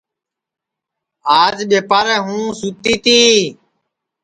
آج ٻیپارے ہوں سوتی تی